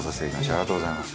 ありがとうございます。